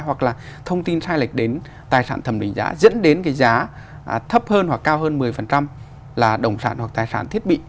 hoặc là thông tin sai lệch đến tài sản thẩm định giá dẫn đến cái giá thấp hơn hoặc cao hơn một mươi là đồng sản hoặc tài sản thiết bị